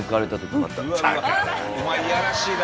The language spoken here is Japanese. お前いやらしいな。